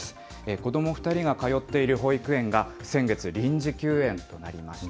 子ども２人が通っている保育園が先月、臨時休園となりました。